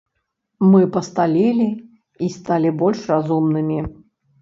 Мы пасталелі і сталі больш разумнымі.